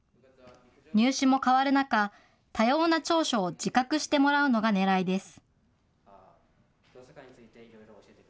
入試も変わる中、多様な長所を自覚してもらうのがねらいです。